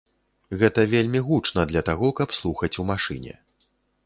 Гэта вельмі гучна для таго, каб слухаць у машыне.